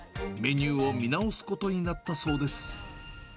メニューを見直すことになったそうです。